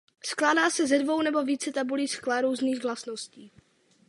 Skládá se ze dvou nebo více tabulí skla různých vlastností.